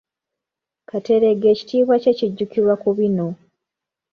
Kateregga ekitiibwa kye kijjukirwa mu bino.